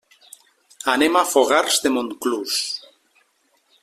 Anem a Fogars de Montclús.